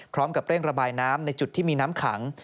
พร้อมกับเร่งระบายน้ำในจุดที่มีน้ำขัง